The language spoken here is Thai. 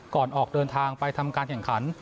ออกเดินทางไปทำการแข่งขัน